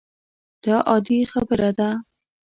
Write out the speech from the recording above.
دا عادي خبره ده.